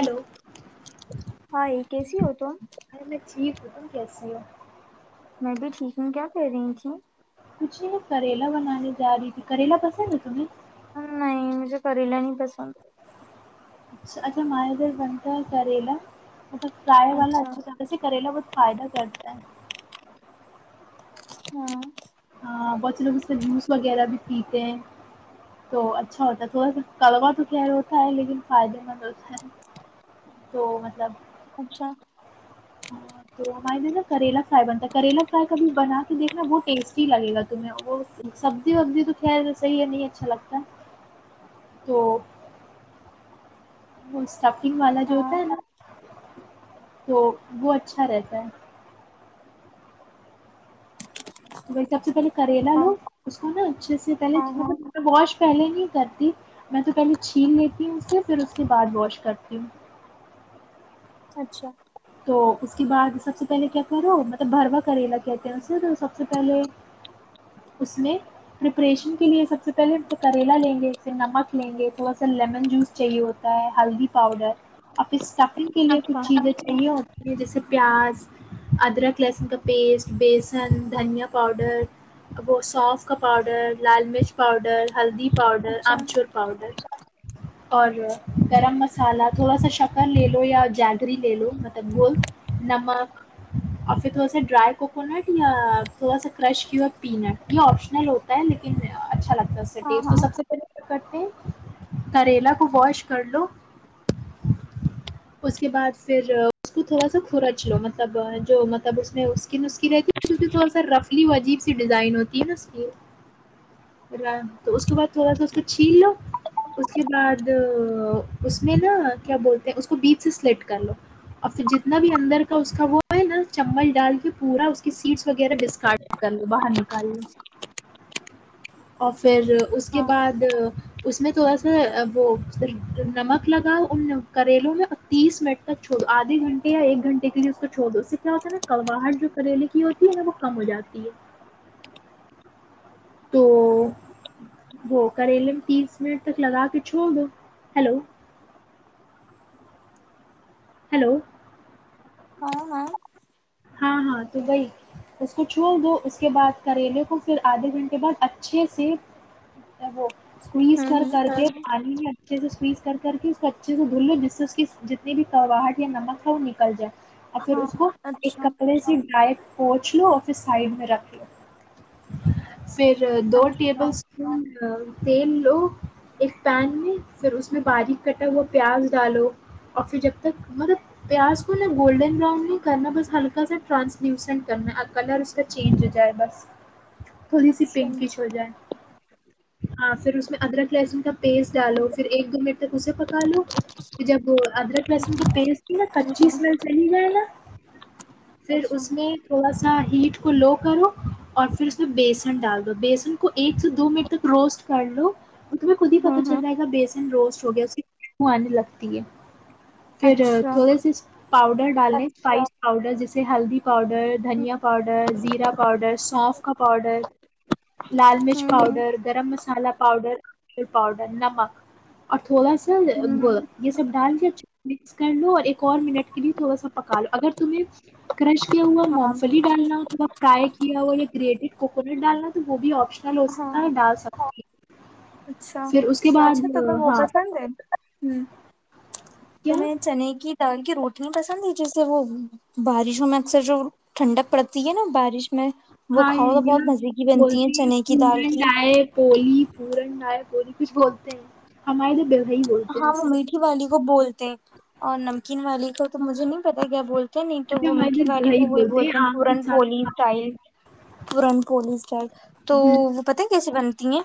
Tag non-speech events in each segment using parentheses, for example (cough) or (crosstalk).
hello hi کیسی ہو ارے میں (unintelligible) کیا کر رہی کریلا بنا کریلا پسند نہیں مجھے کیرلا نہیں پسند اچھا ہمارے ادھر بنتا کریلا سبسکرائب والا اچھا سے کریلا بہت فائدہ کرتا ہے ہاں وغیرہ بھی پیتے ہیں تو اچھا ہوتا ہے کاروبار تو کہہ رہا ہوتا ہے لیکن فائدہ مند ہوتا ہے تو مطلب اچھا تو ہمارے کریلا کائون تھا کریلا فرائی کا بھی بنا کے دیکھنا وہ ٹیسٹی لگے گا تمہیں وہ سبزی تو خیر صحیح ہے نہیں اچھا لگتا تو ہم سے کپنگ والا جو ہوتا ہاں ہے تو وہ اچھا رہتا ہے تو وہائی سب سے پہلے کریلا ہاں لو اس کو نا اچھے سے سے ہاں ہاں پہے واش پہلے نہیں کرتی میں تو پہلے چھیل لیتی ہوں اسے پھر اس کے بعد واش کرتی ہوں اچھا تو اس کے بعد سب سے پہلے کیا کرو مطلب بھروا کریلا کہتے ہیںے سب سے پہلے اس میں پریپریشن کے لیے سب سے پہلے کریلا لیں گے نمک لیں گے تھوڑا سا لیمن جوس چاہیے ہوتا ہے ہلدی پاؤڈر اور پھرٹ اچھا جیسے پیاز ادرک لہسن کا پیسٹ بیسن دھنیا پاؤڈر وہ سونف کا پاؤڈر لال مرچ پاؤڈر ہلدی پاؤڈر اچھا آمچور پؤڈر اور گرم مسالہ تھوڑا سا شکر لے لو یا جاگری لے لو مطلب وہ نمک اور پھر تھوڑا سا ڈرائی کوکونٹ یا تھوڑا سا کرش کی پینٹ یہ آپشنل ہوتا ہے لیکن اچھا لگتا س سے ہاں ٹیسٹ تو ہاں سب سے پہے کرتے کریلا کو واش کر لو اس کے بعد پھر اس کو تھوڑا سا کھرچ لو مطلب جو مطلب اس میں اسکن اس کی رہتی ہے کیونکہ تھوڑا سا رفلی عجیب سی ڈیزائن ہوتی ہے نا اس کی تو اس کے بعد تھوڑا سا اس کو چھین لو اس کے بعد اس میں نا کیا بولتے ہیں اس کو بیپ سے سلیٹ کر لو اور پھر جتنا بھی اندر کا اس کا وہ ہے نا چمبل ڈال کے پورا اس کی سیٹس وغیرہ ڈسکارٹ کر لو باہر نکال لو اور پھر اس کے ہاں بعد اس میں تھوڑا سا وہ نمک لگاؤ ان کریلوں میں اور تیس منٹ چھو آدے گھنٹے یا ایک گھنٹے کے لیے اس کو چھوڑ دو اس سے کیا ہوتا ہے نا کرواہٹ جو کریلے کی ہوتی ہے نا وہ کم ہو جاتی ہے تو وہ کریلم تیس منٹ تک لگا کے چھوڑ دو ہیلو ہلو ہاں می ہاں ہاں تو وہی اس کو چھوڑ دو اس کے بعد کریلے کو پھر آدھے گھنٹے بعد اچھے سے وہ سیز ہاں کر ہوں ہوں کر د پانی اچھے سے سویز کر کے اس کو اچھے سے دھ لو جس سے اس کی جتنی بھی کرواہٹ یا نمک ہے وہ نکل جائے اور پھر ہاں اس کو ایک اچھا کپر س ڈرائی پہنچ لو آفس سائڈ میں رکھ لو پھر دو اچھا ٹیبل اسپون تیل لو ایک پین میں پھر اس میں باریک کٹا ہوا پیاز ڈالو اور پھر جب تک مطلب پیاز کو نا گولڈن براؤن میں کرنا بس ہلکا سا ٹرانسلوسینٹ کرنا ہے کلر اس کا چینج ہو جائے بس تھوڑی سی اچھا ہوں پنکش ہو جائے ہاں پھر اس میں ادرک لہسن کا پیسٹ ڈالو پھر ایک دو منٹ تک اسے پکا لو جب ادرک لہسن کی پیسٹ تھی نا ہوں پچیس منٹ چل ہی جائے گا پھر اچھا اس میں تھوڑا سا اسا ہیٹ کو لو کرو اور پھر اس میں بیسن ڈال دو بیسن کو ایک سے دو منٹ تک روسٹ کر لو ان میں خود ہی پتا ہوں چل ہوں رہا ہےا بیس روسٹ ہو گیا اس آنے لگتی ہے پھر اچھا تھوڑے سے پاؤڈر ڈالیں اسپائس پاؤڈر جیسے ہلدی پاؤڈر دھنیا پاؤڈر زیرا پاؤڈر سوفٹ کا پاؤڈر لال مرچ ہوں ہوں پاؤڈر گرم مسال مسالا پاؤڈر پاؤڈر نمک اور تھوڑا سا ہوں ہوں گ یہ سب ڈال کے اچا مکس کر لو اور ایک اور منٹ کے لیے تھوڑا سا پکا لو تمہیں کرش کیا ہوا ہاں مونگفھلی ڈالنا ہو فرائی کیا ہوا گریڈڈ کوکونٹ ڈالنا تو وہ بھی آ ل ہاں استا ہی ڈال سکتی ہی (inaudible) اچھا اچھا تو پہ آ، ہاں وہبسان د ہ تو کیا میںہ چنے کی دال کی روٹیا پسند ہے جیس سے وہ بارشوں میں اکثر جو ٹھنڈک پڑتی ہے نا بارش میں وہ ہاں کھاؤ تو یہ بہت مزے کی بنتی ہے بولتی ہیں چنے کی دال مبئی کی ڈائے کولی سورن نائک اور بھی کچھ بولتے ہیں ہماریے تو ب ہاں وہ میٹھی والی کو بولتے ہیں اور نمکین والی کو تو مجھے نہیں پتا کیا بول نہیں تو اچھا وہ ہمارے میٹھی ادھر والی بلہئی کو وہ بولتے ہیں آم کے پورن ساتھ پولی کھاتے اسٹائل ہیں پورن پولی اسٹائل تو ہوں وہ پت کیسے بنتی ہیں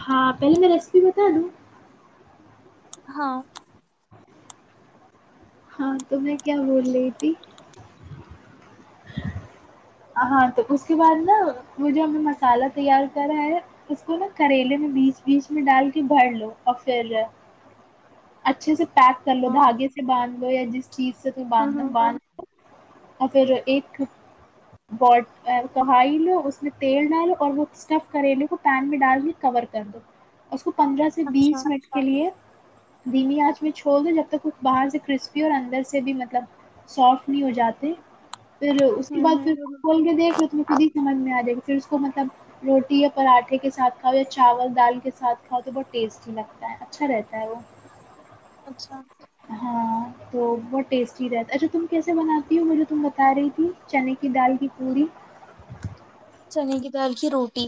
ہاں پہلی میں ریسیپی بتا دوں ہاں ہاں تہیں کیا بول رہی تھی (unintelligible) ہاں تو اس کے بعد نا وہ جو ہم نے مسالہ تیار کرا ہے اس کو نا کریلے میں بیچ بیچ میں ڈال کے بھر لو اور پھر جو ہے اچھے سے پیک کر لو ہاں دھاگے سے باندھ یعنی چیز تو ہوں باندنا ہوں باند اور پھر ایک ب کوائی لو اس میں تیل ڈالو اور وہ اسٹف کریلے کو پین میں ڈال کے کور کر دو اس کو پندرہ سے اچھا بیس منٹ کے لیے دھیمی آنچ میں چھوڑ دو جب تک وہ باہر سے کرسپی اور اندر سے بھی مطلب سافٹ نہیں ہو جاتے پھر اس کے ہوں بعد پھر ہوں کھول کے دیکھ ر ک سمجھ میں آ جائے گی پھر اسس کو مطلب روٹی یا پراٹھے کے ساتھ کھاؤ یا چاول دال کے ساتھ کھاؤ تو بہت ٹیسٹی لگتا ہے اچھا رہتا ہے وہ اچھا ہاں تو بہت ٹیسٹی رہتا اچھا تم کیسے بناتی ہو مجھے تم بتا رہی تھی چنے کی دال کی پوڑی چنے کی دار کی روٹی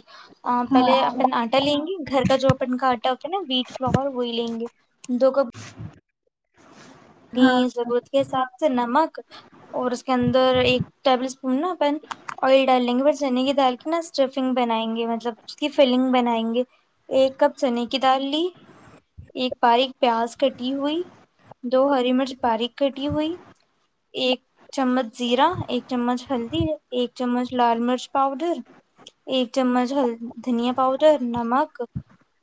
پہلے ہاں اپن آٹا لیں گے گھر کا جو اپن کا آٹا ہوتا ہے نا بیٹ فلاور وہی لیں گے دو کا (unintelligible) ہاں اپنی ضرورت کے حساب سے نمک اور اس کے اندر ایک ٹیبل نا اپن آئل ڈال لیں گے بس چنے کی دال کی نا اسٹرفنگ بنائیں گے مطلب اس کی فلنگ بنائیں گے ایک کپ چنے کی دال لی ایک باریک پیاز کٹی ہوئی دو ہری مرچ باریک کٹی ہوئی ایک چمچ زیرا ایک چمچ ہلدی ایک چمچ لال مرچ پاؤڈر ایک چمچ دھنیا پاؤڈر نمک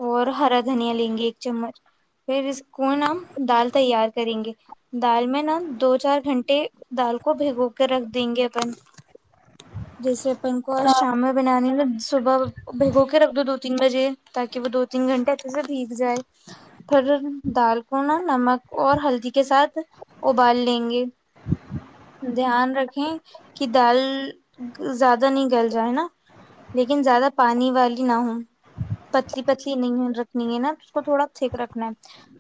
اور ہرا دھنیا لیں گے ایک چمچ پھر اس کو نہ دال تیار کریں گے دال میں نا دو چار گھنٹے دال کو بھگو کر رکھ دیں گے اپن جیسے ان کو آج ہاں شام میں بنانے لگ صبح بھگو کے رکھ دو دو تین بجے تاکہ وہ دو تین گھنٹے اچھے سے بھیگ جائے پھر دال کو نا نمک اور ہلدی کے ساتھ ابال لیں گے دھیان رکھیں کہ دال زیادہ نہیں گل جائے نا لیکن زیادہ پانی والی نہ ہو پتلی پتلی نہیں رکھنی ہے نا اس کو تھوڑا تھک رکھنا ہے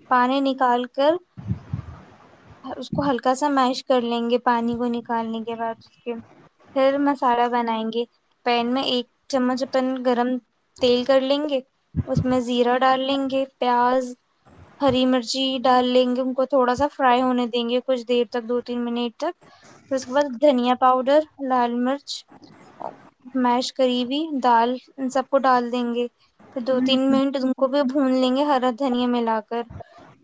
پانی نکال کر اس کو ہلکا سا میش کر لیں گے پانی کو نکالنے کے بعد اس کے پھر مسالہ بنائیں گے پین میں ایک چمچ اپن گرم تیل کر لیں گے اس میں زیرہ ڈال لیں گے پیاز ہری مرچی ڈال لیں گے ان کو تھوڑا سا فرائی ہونے دیں گے کچھ دیر تک دو تین منٹ تک پھر اس کے بعد دھنیا پاؤڈر لال مرچ میش کری ہوئی دال ان سب کو ڈال دیں گے پھر دو تین منٹ ان کو بھی بھون لیں گے ہرا دھنیا ملا کر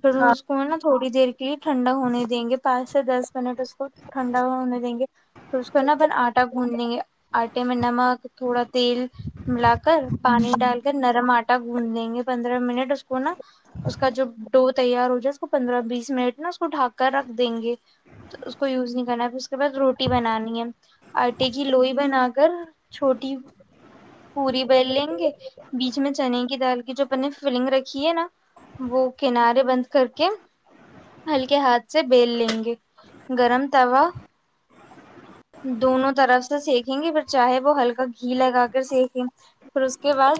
پھر ہاں اس کو نا تھوڑی دیر کے لیے ٹھنڈا ہونے دیں گے پانچ سے دس منٹ اس کو ٹھنڈا ہونے دیں گے پھر اس کو نا اپن آٹا گھند لیں گے آٹے میں نمک تھوڑا تیل ملا کر پانی ڈال کر نرم آٹا گند دیں گے پندرہ منٹ اس کو نا اس کا جوڈو تیار ہو جائےا پندرہ بیس منٹ نا اس کو ڈھک کر رکھ دیں گے تو اس کو یوز نہیں کرنا پھر اس کے بعد روٹی بنانی ہے آٹے کی لوئی بنا کر چھوٹی پی بیل لیں گے بیچ میں چنے کی دال کی جو اپنے فلنگ رکھی ہے نا وہ کنارے بند کر ہلکے ہاتھ سے بیل لیں گے گرم توا دونوں طرف سے سکیں گے پھر چاہے وہ ہلکا گھی لگا کر سکیں پھر اس کے بعد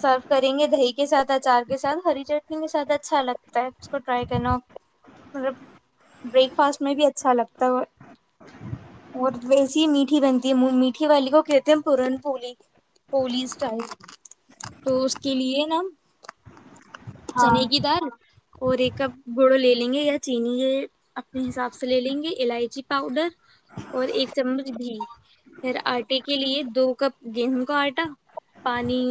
سرو کریں گے دہی کے ساتھ اچار کے ساتھ ہری چٹنی کے ساتھ اچھا لگ اس کو ٹرائی کرنا مطب بریک فاسٹ میں بھی اچھا لگتا ہے اور ویسی ہی میٹھی بنتی ہے میٹھی والی کو کہتے ہیں پورن پلی پلی اسٹائ تو اس کے لیے نا چنے ہاں کی دال اور ایک کپ گڑ لے لیں گے یا چینی یہ اپنے حساب سے لے لیں گے الائچی پاؤڈر اور ایک چمچ گھی پھر آٹے کے لیے دو کپ گیہوں کا آٹا پانی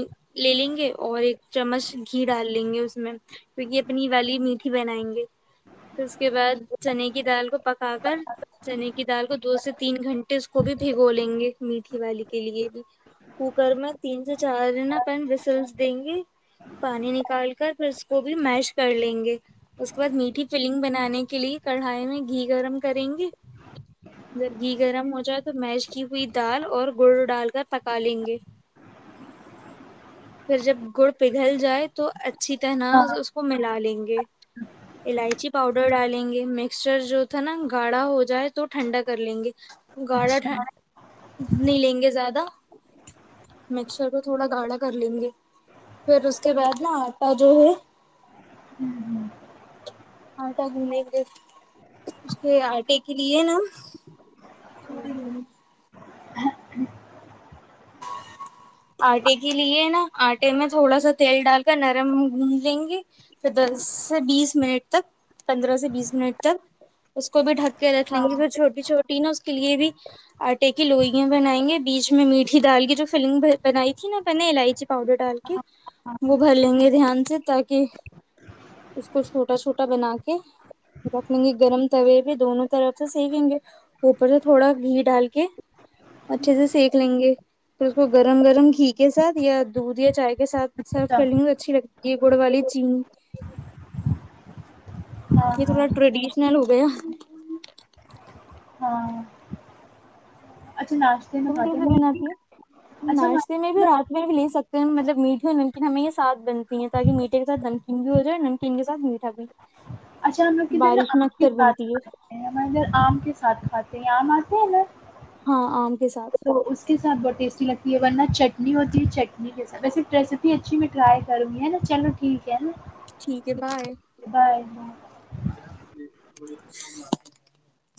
لے لیں گے اور ایک چمچ گھی ڈال لیں گے اس میں کیونکہ اپنی والی میٹھی بنائیں گے پھر اس کے بعد چنے کی دال کو پکا کر چنے کی دال کو دو سے تین گھنٹے اس کو بھی بھگو لیں گے میٹھی والی کے لیے بھی کوکر میں تین سے چارنا پین بسلس دیں گے پانی نکال کر پھر اس کو بھی میش کر لیں گے اس کے بعد میٹھی پلنگ بنانے کے لیے کڑھائی میں گھی گرم کریں گے جب گھی گرم ہو جائے تو میش کی ہوئی دال اور گڑ ڈال کر پکا لیں گے پھر جب گڑ پگھل جائے تو اچھی ہاں طرح ملا لیں گے الائچی پاؤڈر ڈالیں گے مکسچر جو تھا نا گاڑھا ہو جائے تو ٹھنڈا کر لیں گے گاڑاھ اچھا نہیں لیں گے زیادہ مکسر کو تھوڑا گاڑھا کر لیں گے پھر اس کے بعد نا آٹا جو ہے آٹا گھنے گے اس کے آٹے کے لیے نا ہہ آٹے کے لیے نا آٹے میں تھوڑا سا تیل ڈال کر نرم گ لیں گے پھر دس سے بیس منٹ تک پندرہ سے بیس منٹ تک اس کو بھی ڈک رکھ ہاں لہ گے پھر چھوٹی چھوٹی رینا اس کے لیے بھی آٹے کی لوئیاں بنائیں گے بیچ میں میٹھی دال کی جو فلنگ بر بنائی تھی نا پہ الائچی پاؤڈر ڈال کے وہ بھر لیں گے دھیان سے تاکہ اس کو چھوٹا چھوٹا بنا کے رکھ لیں گے گرم توے پہ دونوں طرف سے سکیں گے اوپر سے تھوڑا گھی ڈال کے اچھے سے سیک لیں گے پھر اس کو گ گرم گرم گھی کے ساتھ یا دودھ یا چائے کے ساتھ اچھا سروے کر یہ گڑ والی چین ہاں ہاں تھوڑا ٹرادش ہو گیا ہاں اچھا ناشتے میں تم کھاتے کیسے نہیں بناتی ہو ناشتے میں اچھا بھی رات بھی لے سکتے ہیں مطلب میٹن ہمیں یہ ساتھ بنتی ہیں تاکہ میٹھے کے ساتھ نھمکن بھی ہو جائے نمکین کے ساتھ میٹھا بھی اچھا ہم لوگ کدھر بارش میں اپ کے اکثر بنتی ہے ساتھ اگر ام کے ساتھ کھاتے ہیں ام ہیں نا ہاں آم کے ساتھ تو اس کے ساتھ بہت ٹیسٹی لگ یہ ورنہ چٹنی ہوتی چٹنی کے ویسے ریسپی اچھی میں ٹرائی کروں گی نا چلو ٹھیک ہے نا ٹھیک ہے بائے بائے (inaudible)